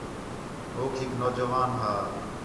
ہوک ہِک نوجوان ہا